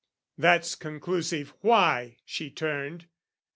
That's conclusive why she turned.